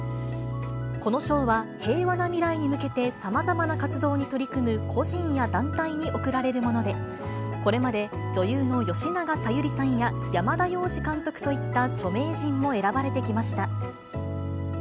この賞は、平和な未来に向けてさまざまな活動に取り組む個人や団体に贈られるもので、これまで女優の吉永小百合さんや、山田洋次監督といった著名人も選ばれてきました。